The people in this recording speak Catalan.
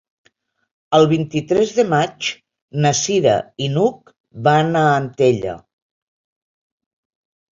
El vint-i-tres de maig na Cira i n'Hug van a Antella.